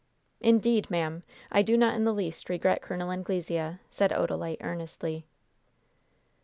"Indeed, ma'am, I do not in the least regret Col. Anglesea," said Odalite, earnestly.